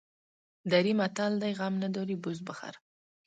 دري متل دی: غم نداری بز بخر.